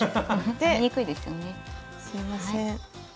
すいません